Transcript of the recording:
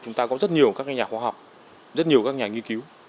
chúng ta có rất nhiều các nhà khoa học rất nhiều các nhà nghiên cứu